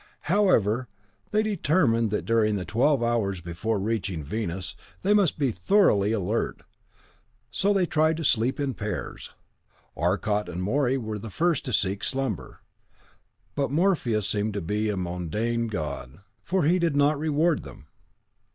However, they determined that during the twelve hours before reaching Venus they must be thoroughly alert, so they tried to sleep in pairs. Arcot and Morey were the first to seek slumber but Morpheus seemed to be a mundane god, for he did not reward them.